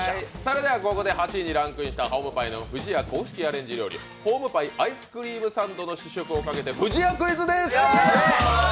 ８位にランクインした不二家ホームパイの公式アレンジ料理、ホームパイアイスクリームサンドの試食をかけて不二家クイズです！